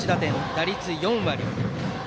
打率は４割。